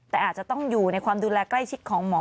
แต่อาจจะต้องอยู่ในความดูแลใกล้ชิดของหมอ